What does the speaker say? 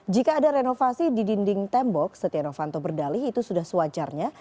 jika ada renovasi di dinding tembok setia novanto berdalih itu sudah sewajarnya